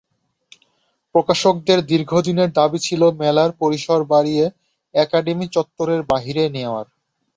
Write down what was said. প্রকাশকদের দীর্ঘদিনের দাবি ছিল মেলার পরিসর বাড়িয়ে একাডেমি চত্বরের বাইরে নেওয়ার।